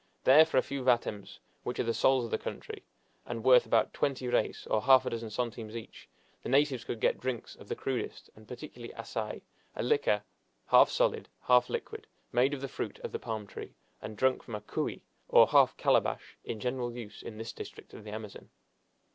There, for a few vatems, which are the sols of the country, and worth about twenty reis, or half a dozen centimes each, the natives could get drinks of the crudest, and particularly assai, a liquor half solid, half liquid, made of the fruit of the palm tree, and drunk from a "coui" or half calabash in general use in this district of the Amazon.